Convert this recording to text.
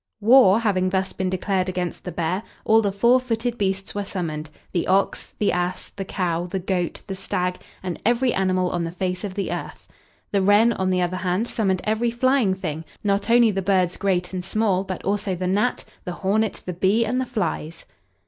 War having thus been declared against the bear, all the four footed beasts were summoned: the ox, the ass, the cow, the goat, the stag, and every animal on the face of the earth. The wren, on the other hand, summoned every flying thing; not only the birds, great and small, but also the gnat, the hornet, the bee, and the flies.